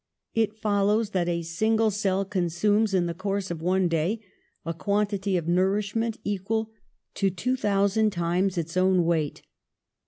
It follows that a single cell consumes, in the course of one day, a quantity of nourishment equal to two thousand times its own weight.